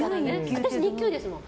私２級ですもん。